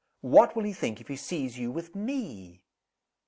"What will he think if he sees you with _me?"